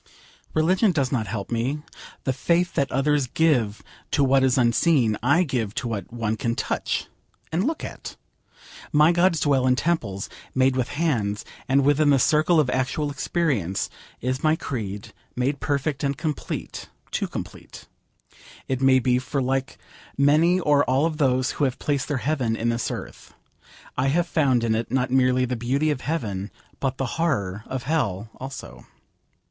Religion does not help me. The faith that others give to what is unseen, I give to what one can touch, and look at. My gods dwell in temples made with hands; and within the circle of actual experience is my creed made perfect and complete: too complete, it may be, for like many or all of those who have placed their heaven in this earth, I have found in it not merely the beauty of heaven, but the horror of hell also.